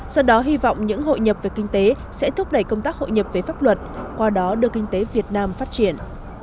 do đó hy vọng những hội nhập về kinh tế sẽ thúc đẩy công tác hội nhập về pháp luật qua đó đưa kinh tế việt nam phát triển